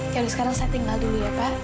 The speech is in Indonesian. kalau sekarang saya tinggal dulu ya pak